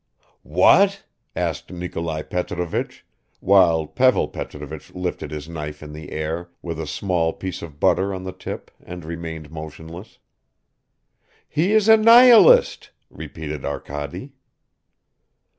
"What?" asked Nikolai Petrovich, while Pavel Petrovich lifted his knife in the air with a small piece of butter on the tip and remained motionless. "He is a nihilist," repeated Arkady.